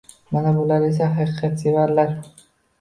Mana bular esa - haqiqatsevarlar.